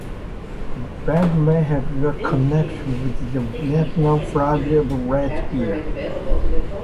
Vends may have a connection with the national flag of Latvia.